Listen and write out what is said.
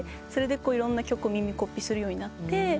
それでいろんな曲を耳コピするようになって。